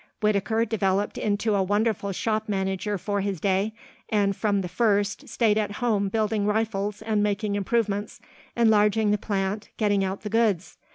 Whittaker developed into a wonderful shop manager for his day, and, from the first, stayed at home building rifles and making improvements, enlarging the plant, getting out the goods.